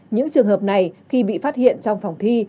những trường hợp này khi bị phát hiện trong phòng thi